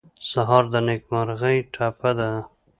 سهار د نېکمرغۍ ټپه ده.